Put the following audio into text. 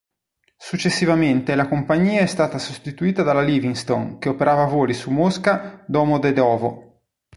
Successivamente la compagnia è stata sostituita dalla Livingston che operava voli su Mosca Domodedovo.